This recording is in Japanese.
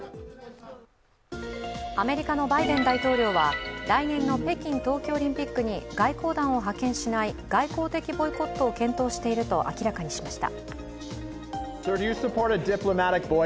アメリカのバイデン大統領は来年の北京冬季オリンピックに外交団を派遣しない外交的ボイコットを検討していると明らかにしました。